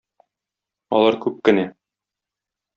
Алар күп кенә.